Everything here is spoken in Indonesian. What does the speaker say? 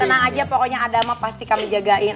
tenang aja pokoknya adamah pasti kami jagain